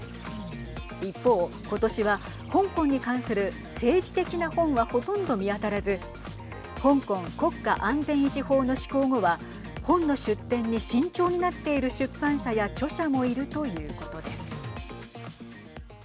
一方、ことしは香港に関する政治的な本はほとんど見当たらず香港国家安全維持法の施行後は本の出展に慎重になっている出版社や著者もいるということです。